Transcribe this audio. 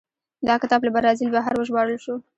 دا کتاب له برازیل بهر وژباړل شو.